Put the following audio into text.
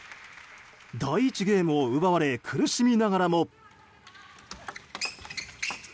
第１ゲームを奪われ苦しみながらも。